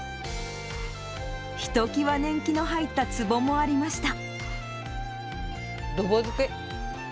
ひときわ年季の入ったつぼもありました。